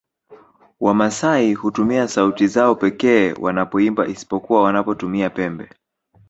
Wamasai hutumia sauti zao pekee wanapoimba isipokuwa wanapotumia pembe